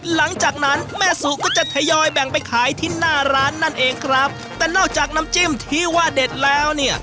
หลังจากนั้นแม่สุก็จะทยอยแบ่งไปขายที่หน้าร้านนั่นเองครับแต่นอกจากน้ำจิ้มที่ว่าเด็ดแล้วเนี่ย